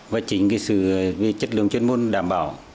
và chính sự chất lượng chuyên môn đảm bảo